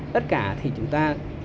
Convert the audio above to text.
tất cả thì chúng ta